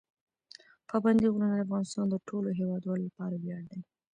پابندي غرونه د افغانستان د ټولو هیوادوالو لپاره ویاړ دی.